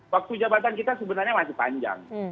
waktu jabatan kita sebenarnya masih panjang